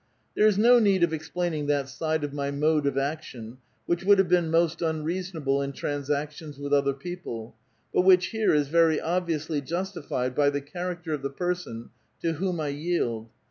"There is no need of explaining that side of my mode of action which would have been most unreasonable in transac tions with other people, but which here is very obviously jus tified by the character of the person to whom I yield.